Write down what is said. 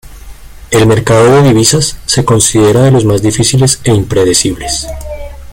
El mercado de divisas se considera de los más difíciles e impredecibles.